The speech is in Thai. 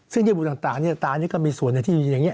ซึ่งเยืบต่างตานี่ก็มีส่วนที่อย่างนี้